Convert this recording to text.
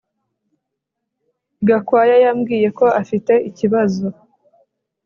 Gakwaya yambwiye ko afite ikibazo